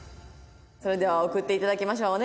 それでは送って頂きましょう。